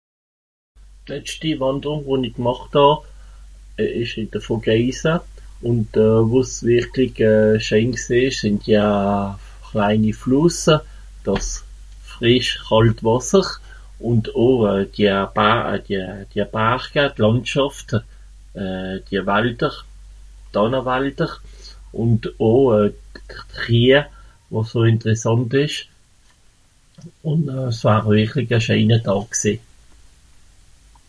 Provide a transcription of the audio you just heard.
D'letschti Wànderùng, wo-n-i gmàcht hàà ìsch ìn d'r Vogesa ùnd, wo es wìrklig scheen gsìì ìsch sìnn dia reini Flùssa, dàs frìsch chàlt Wàsser ùnd oo dia Bar- dia Barga, d'Làndschàft, euh dia Walder, Dànnawalder ùnd oo Chiah, wo so interessànt ìsch. Ùn s'ìsch wìrklig a scheener Dàà gsìì.